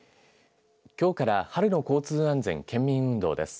きょうから春の交通安全県民運動です。